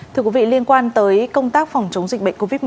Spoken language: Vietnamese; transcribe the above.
thưa quý vị liên quan tới công tác phòng chống dịch bệnh covid một mươi chín